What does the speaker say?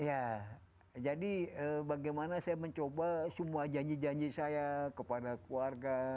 ya jadi bagaimana saya mencoba semua janji janji saya kepada keluarga